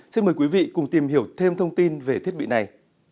xin mời quý vị cùng tìm hiểu thêm thông tin về thiết bị này